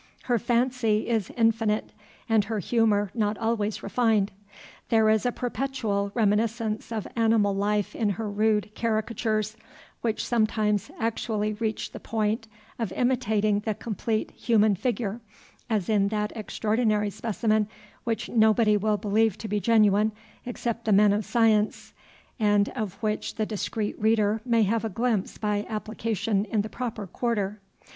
Her fancy is infinite, and her humor not always refined. There is a perpetual reminiscence of animal life in her rude caricatures, which sometimes actually reach the point of imitating the complete human figure, as in that extraordinary specimen which nobody will believe to be genuine, except the men of science, and of which the discreet reader may have a glimpse by application in the proper quarter.